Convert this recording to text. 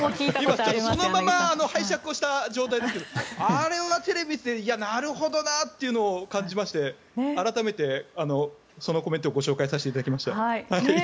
そのまま拝借した形ですがあれはテレビでいやなるほどなという感じでして改めてそのコメントをご紹介させていただきました。